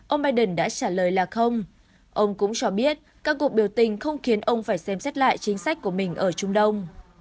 ông biden đã trả lời là không ông cũng cho biết các cuộc biểu tình không khiến ông phải xem xét lại chính sách của mình ở trung đông